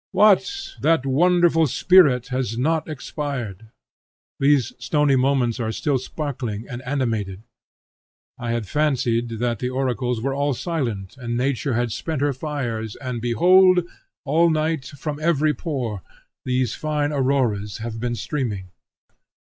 What! that wonderful spirit has not expired! These stony moments are still sparkling and animated! I had fancied that the oracles were all silent, and nature had spent her fires; and behold! all night, from every pore, these fine auroras have been streaming.